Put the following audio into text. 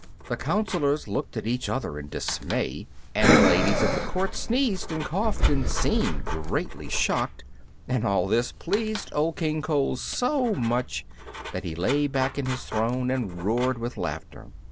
The councilors looked at each other in dismay, and the ladies of the court sneezed and coughed and seemed greatly shocked, and all this pleased old King Cole so much that he lay back in his throne and roared with laughter.